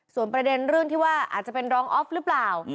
ส่วนประเด็นเรื่องที่ว่าอาจจะเป็นรองออฟหรือเปล่า